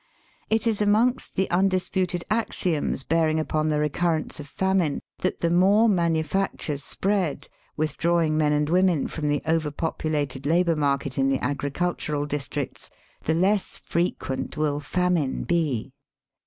It is amongst the un disputed axioms bearing upon the recurrence of famine that the more manufactures spread, withdrawing men and women from the over populated labour market in thQ agricultural districts, the less frequent will famine be.